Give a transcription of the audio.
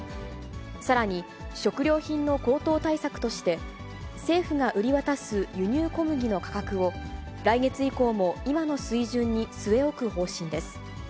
さらに、食料品の高騰対策として、政府が売り渡す輸入小麦の価格を、来月以降も今の水準に据え置く方針です。